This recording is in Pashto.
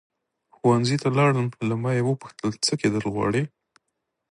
ښوونځي ته لاړم له ما یې وپوښتل څه کېدل غواړې.